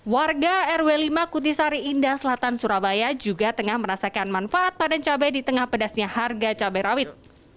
warga rw lima kutisari indah selatan surabaya juga tengah merasakan manfaat panen cabai di tengah pedasnya harga cabai rawit